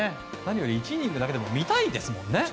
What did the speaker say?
１イニングだけでも見たいですもんね。